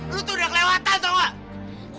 lo tuh udah kelewatan tau gak